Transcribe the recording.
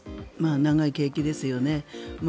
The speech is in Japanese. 長い刑期ですよね。